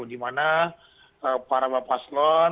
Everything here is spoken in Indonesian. dimana para bapak paslon